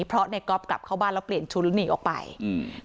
เพราะในก๊อฟกลับเข้าบ้านแล้วเปลี่ยนชุดแล้วหนีออกไปอืม